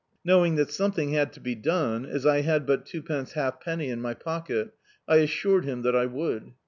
Knowing that something had to be done, as I had but twopence halfpetmy in my pocket, I assured him that I would.